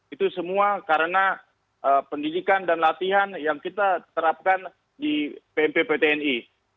itu semua karena pendidikan dan latihan yang kita terapkan di pmp ptni